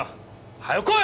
早よ来い！